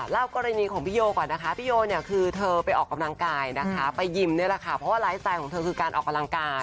เล่ากรณีของพี่โยก่อนนะคะพี่โยเนี่ยคือเธอไปออกกำลังกายนะคะไปยิมนี่แหละค่ะเพราะว่าไลฟ์สไตล์ของเธอคือการออกกำลังกาย